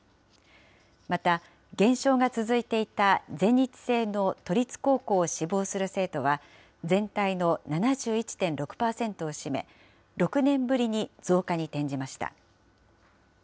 また、減少が続いていた全日制の都立高校を志望する生徒は、全体の７１．６％を占め、６年ぶりに増加に転じました。